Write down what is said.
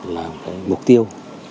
là cái mục tiêu